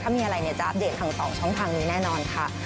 ถ้ามีอะไรเนี่ยจะอัปเดตทาง๒ช่องทางนี้แน่นอนค่ะ